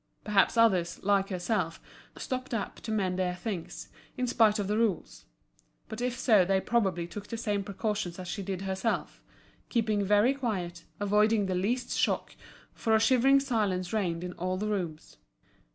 Perhaps others, like herself, stopped up to mend their things, in spite of the rules; but if so they probably took the same precautions as she did herself, keeping very quiet, avoiding the least shock, for a shivering silence reigned in all the rooms.